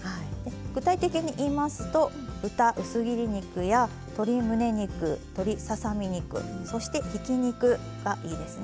具体的に言いますと豚薄切り肉や鶏むね肉鶏ささ身肉そしてひき肉がいいですね。